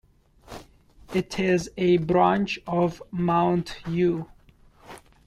It is a branch of Mount Yu.